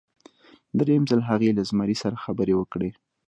دریم ځل هغې له زمري سره خبرې وکړې.